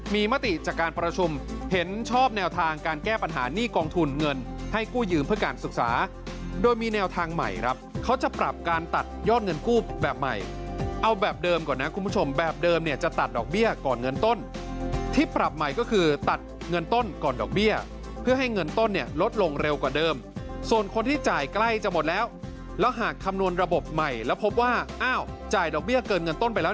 มีมาติจากการประชุมเห็นชอบแนวทางการแก้ปัญหาหนี้กองทุนเงินให้กู้ยืมเพื่อการศึกษาโดยมีแนวทางใหม่ครับเขาจะปรับการตัดยอดเงินกู้แบบใหม่เอาแบบเดิมก่อนนะคุณผู้ชมแบบเดิมเนี่ยจะตัดดอกเบี้ยก่อนเงินต้นที่ปรับใหม่ก็คือตัดเงินต้นก่อนดอกเบี้ยเพื่อให้เงินต้นเนี่ยลดลงเร็วกว่าเดิมส่ว